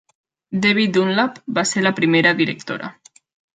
Debbie Dunlap va ser la primera directora.